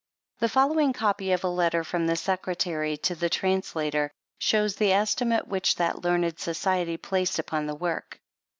The following copy of a letter from the secretary to the trans lator, shows the estimate which that learned Society placed upon the work.